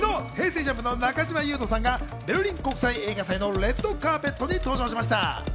ＪＵＭＰの中島裕翔さんがベルリン国際映画祭のレッドカーペットに登場しました。